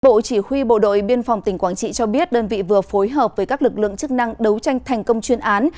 bộ chỉ huy bộ đội biên phòng tỉnh quảng trị cho biết đơn vị vừa phối hợp với các lực lượng chức năng đấu tranh thành công chuyên án